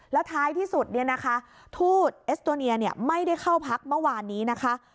แล้วท้ายที่สุดเนี่ยนะคะทูตเอสโตเนียไม่ได้เข้าพักเมื่อวานนี้นะคะ